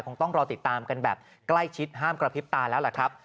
คงต้องรอติดตามกันแบบใกล้ชิดห้ามกระพริบตาแล้วล่ะครับ